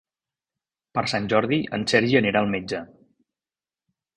Per Sant Jordi en Sergi anirà al metge.